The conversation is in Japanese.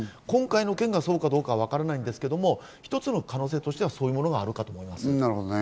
今回の件がそうかどうかわからないですけど、一つの可能性としてはそういうものがあろうかと思います。